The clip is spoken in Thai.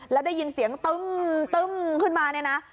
แล้วได้ยินเสียงตึ้มขึ้นมาเนี่ยนะ